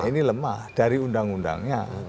ini lemah dari undang undangnya